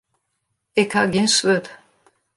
Ik ha gjin swurd.